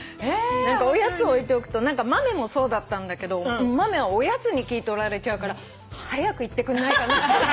おやつ置いておくと豆もそうだったんだけど豆はおやつに気取られちゃうから早く行ってくんないかな。